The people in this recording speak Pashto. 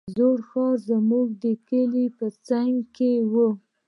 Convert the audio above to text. زوړ ښار زموږ د کلي په څنگ کښې و.